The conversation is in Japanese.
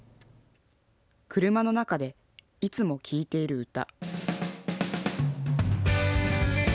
車の中でいつも聴いているウタ。